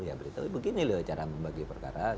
ya beritahu begini loh cara membagi perkara